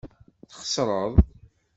Txeṣṛeḍ.